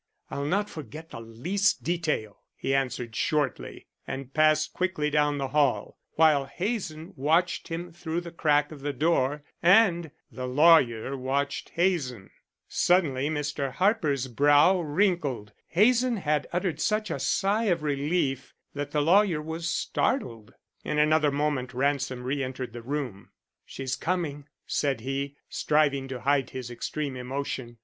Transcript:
"I'll not forget the least detail," he answered shortly, and passed quickly down the hall, while Hazen watched him through the crack of the door, and the lawyer watched Hazen. Suddenly Mr. Harper's brow wrinkled. Hazen had uttered such a sigh of relief that the lawyer was startled. In another moment Ransom re entered the room. "She's coming," said he, striving to hide his extreme emotion.